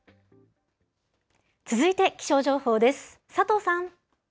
続いて、気象情報です。